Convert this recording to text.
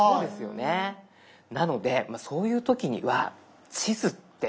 なのでそういう時には地図って。